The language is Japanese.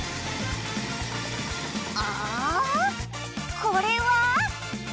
あこれは！